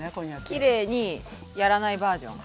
きれいにやらないバージョン。